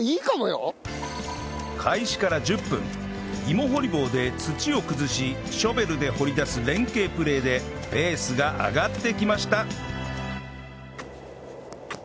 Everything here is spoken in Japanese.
芋掘り棒で土を崩しショベルで掘り出す連係プレーでペースが上がってきました